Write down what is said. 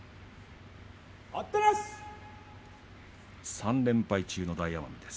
３連敗中の大奄美です。